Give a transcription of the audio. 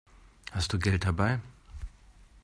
Hast du Geld dabei?